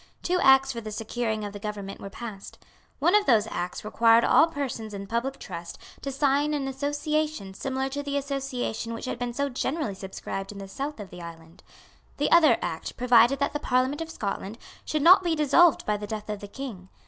Two Acts for the securing of the government were passed. One of those Acts required all persons in public trust to sign an Association similar to the Association which had been so generally subscribed in the south of the island. The other Act provided that the Parliament of Scotland should not be dissolved by the death of the King.